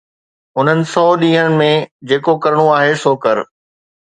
انهن سؤ ڏينهن ۾ جيڪو ڪرڻو آهي سو ڪر.